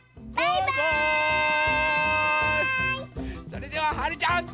それでははるちゃんどうぞ！